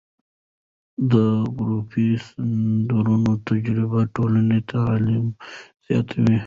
د ګروپي سندرو تجربه ټولنیز تعامل زیاتوي.